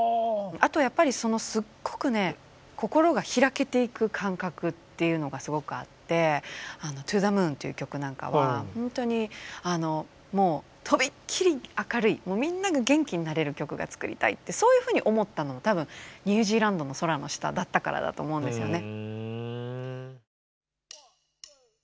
あとやっぱりすっごくね心が開けていく感覚っていうのがすごくあって「ＴｏＴｈｅＭｏｏｎ」っていう曲なんかは本当にとびっきり明るいみんなが元気になれる曲が作りたいってそういうふうに思ったのは多分ニュージーランドの空の下だったからだと思うんですよね。